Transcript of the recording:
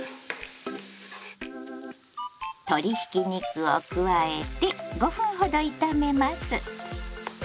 鶏ひき肉を加えて５分ほど炒めます。